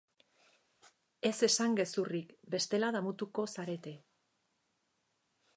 Ez esan gezurrik bestela damutuko zarete.